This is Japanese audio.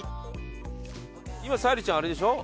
今沙莉ちゃんあれでしょ。